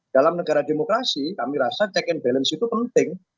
dalam negara demokrasi kami rasa check and balance itu penting